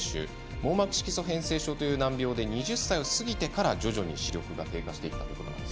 網膜色素変性症という難病で２０歳を過ぎてから徐々に視力が低下していったということです。